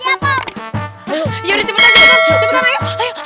iya udah cepetan cepetan ayo